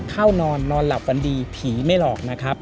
เข้านอนนอนหลับฝันดีผีไม่หลอกนะครับ